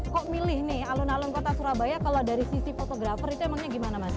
kok milih nih alun alun kota surabaya kalau dari sisi fotografer itu emangnya gimana mas